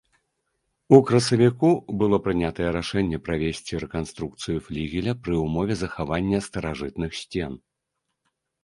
У красавіку было прынятае рашэнне правесці рэканструкцыю флігеля пры ўмове захавання старажытных сцен.